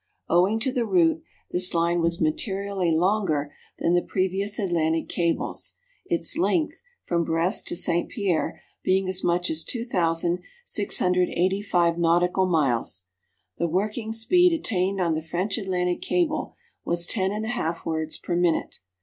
Owing to the route, this line was materially longer than the previous Atlantic cables, its length (from Brest to St. Pierre) being as much as 2,685 nautical miles. The working speed attained on the French Atlantic cable was ten and a half words per minute.